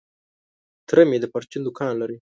تره مي د پرچون دوکان لري .